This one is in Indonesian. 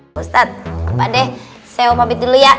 pusat pak deh saya mau mabit dulu ya